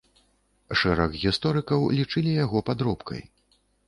Шэраг гісторыкаў лічылі яго падробкай.